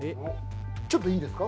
ちょっといいですか？